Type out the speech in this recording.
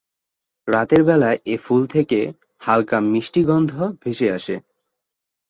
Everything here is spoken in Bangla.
রাতের বেলায় এ ফুল থেকে হালকা মিষ্টি গন্ধ ভেসে আসে।